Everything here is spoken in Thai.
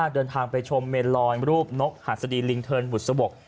เดินทางไปชมเมนลอยรูปนกหัสดีลิงเทินบุษบก